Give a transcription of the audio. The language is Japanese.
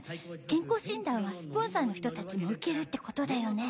健康診断はスポンサーの人たちも受けるってことだよね？